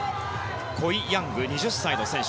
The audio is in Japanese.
コイ・ヤング、２０歳の選手。